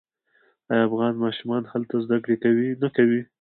آیا افغان ماشومان هلته زده کړې نه کوي؟